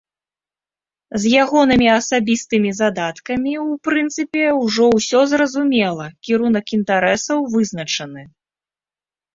З ягонымі асабістымі задаткамі ў прынцыпе ўжо ўсё зразумела, кірунак інтарэсаў вызначаны.